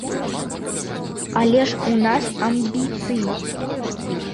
Але ж у нас амбіцыі!